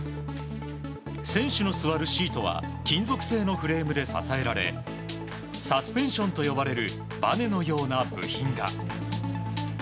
選手の座るシートは金属製のフレームで支えられサスペンションと呼ばれるばねのような部品が。